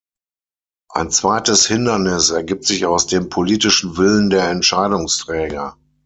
Ein zweites Hindernis ergibt sich aus dem politischen Willen der Entscheidungsträger.